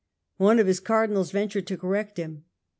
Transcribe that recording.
One of his Cardinals ventured to correct him.